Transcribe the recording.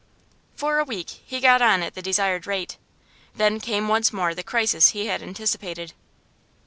For a week he got on at the desired rate; then came once more the crisis he had anticipated.